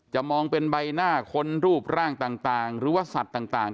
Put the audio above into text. มองเป็นใบหน้าคนรูปร่างต่างหรือว่าสัตว์ต่าง